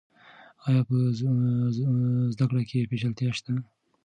آیا په زده کړه کې پیچلتیا شته؟